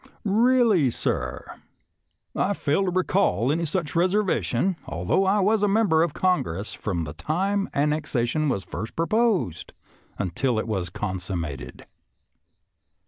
" Really, sir, I fail to recall any such reservation, although I was a member of Congress from the time annexation was first proposed until it was consummated."